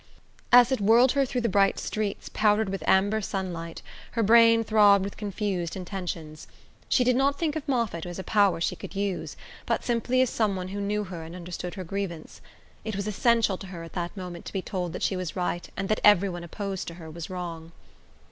As it whirled her through the bright streets powdered with amber sunlight her brain throbbed with confused intentions. She did not think of Moffatt as a power she could use, but simply as some one who knew her and understood her grievance. It was essential to her at that moment to be told that she was right and that every one opposed to her was wrong.